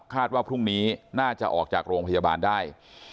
ว่าพรุ่งนี้น่าจะออกจากโรงพยาบาลได้